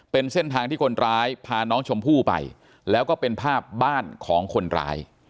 เป็นเส้นทางที่คนร้ายพาน้องชมพู่ไปแล้วก็เป็นภาพบ้านของคนร้าย